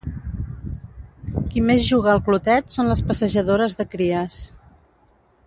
Qui més juga al clotet són les passejadores de cries.